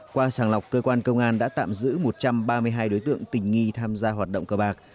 qua sàng lọc cơ quan công an đã tạm giữ một trăm ba mươi hai đối tượng tình nghi tham gia hoạt động cờ bạc